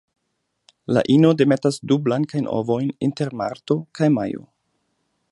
La ino demetas du blankajn ovojn inter marto kaj majo.